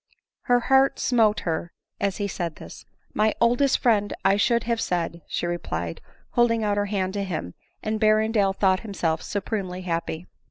Her heart smote her as he said this. "My oldest friend I should have said," she replied, holding out her r hand to him ; and Berrendale thought himself supremely happy.